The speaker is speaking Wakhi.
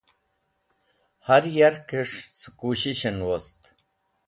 Har yarkẽs̃h cẽ kushishẽn wost.